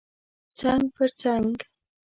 څنګ پر څنګ